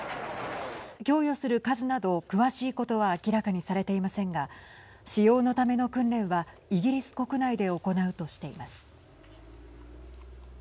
供与する数など、詳しいことは明らかにされていませんが使用のための訓練はイギリス国内で行うとしています。